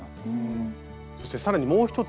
そして更にもう一つ。